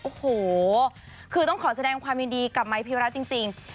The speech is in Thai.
โอ้โหคือต้องขอแสดงความยินดีกับไมค์พิวรัฐจริง